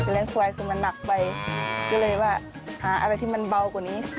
เลี้ยงควายคือมันนักไป